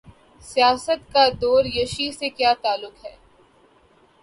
سیاست کا درویشی سے کیا تعلق؟